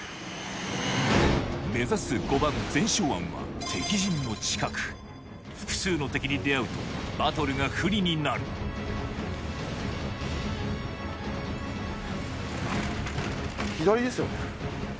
目指す５番全生庵は敵陣の近く複数の敵に出合うとバトルが不利になる左ですよね